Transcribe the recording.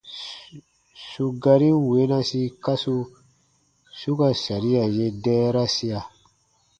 Su garin weenasi kasu su ka saria ye dɛɛrasia :